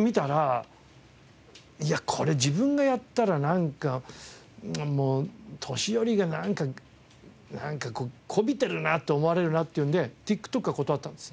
見たらいやこれ自分がやったらなんか年寄りがなんかこびてるなって思われるなっていうのでＴｉｋＴｏｋは断ったんです。